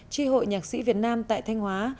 tri hội nhạc sĩ việt nam tại thanh hóa